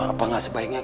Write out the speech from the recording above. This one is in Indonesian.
apa gak sebaiknya